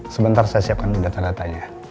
sebentar saya siapkan dulu data datanya